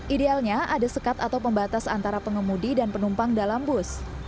idealnya ada sekat atau pembatas antara pengemudi dan penumpang dalam bus